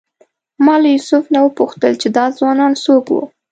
ما له یوسف نه وپوښتل چې دا ځوانان څوک وو.